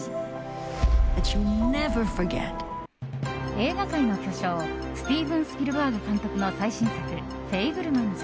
映画界の巨匠スティーブン・スピルバーグ監督の最新作「フェイブルマンズ」。